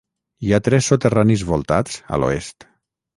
Hi ha tres soterranis voltats a l'oest.